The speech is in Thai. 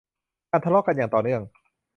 การทะเลาะกันอย่างต่อเนื่อง